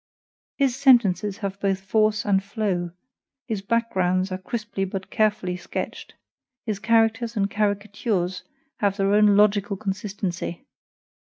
His sentences have both force and flow; his backgrounds are crisply but carefully sketched; his characters and caricatures have their own logical consistency.